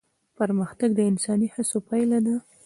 پرمختګ د انساني هڅو پايله ده.